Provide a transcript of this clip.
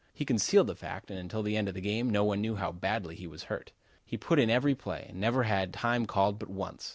He concealed the fact and until the end of the game, no one knew how badly he was hurt. He was in every play, and never had time called but once.